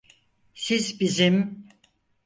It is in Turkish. Siz bizim…